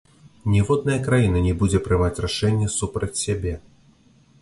Ніводная краіна не будзе прымаць рашэнне супраць сябе.